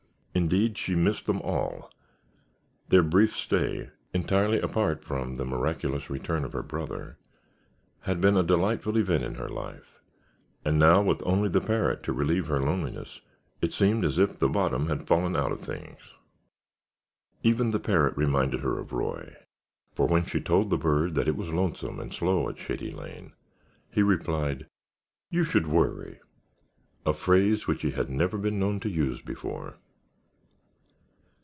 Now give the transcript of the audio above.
Indeed, she missed them all; their brief stay (entirely apart from the miraculous return of her brother) had been a delightful event in her life, and now with only the parrot to relieve her loneliness, it seemed as if the bottom had fallen out of things. Even the parrot reminded her of Roy, for when she told the bird that it was lonesome and slow at Shady Lawn, he replied, "You should worry!"—a phrase which he had never been known to use before.